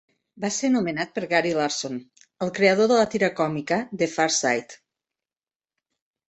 Va ser nomenat per Gary Larson, el creador de la tira còmica The Far Side.